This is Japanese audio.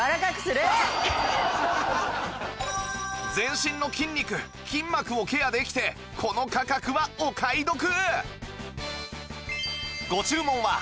全身の筋肉筋膜をケアできてこの価格はお買い得